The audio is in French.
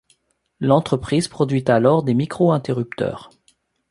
L'entreprise produit alors des micro-interrupteurs.